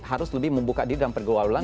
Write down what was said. harus lebih membuka diri dalam pergaulan